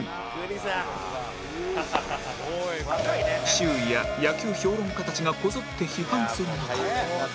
周囲や野球評論家たちがこぞって批判する中